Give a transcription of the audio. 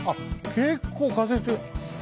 結構風強い。